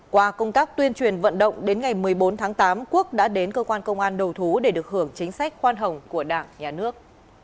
qua công tác tuyên truyền vận động đến ngày một mươi bốn tháng tám quốc đã đến cơ quan công an đầu thú để được hưởng chính sách khoan hồng của đảng nhà nước